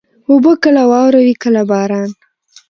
اوبه کله واوره وي، کله باران.